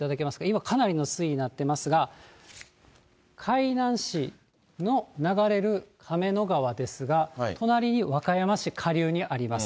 今、かなりの水位になってますが、海南市の流れる亀の川ですが、隣に和歌山市、下流にあります。